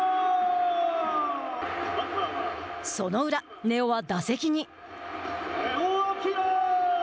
その裏、根尾は打席に。